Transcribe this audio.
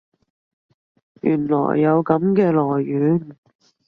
原來有噉嘅來源